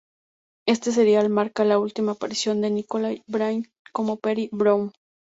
Este serial marca la última aparición de Nicola Bryant como Peri Brown.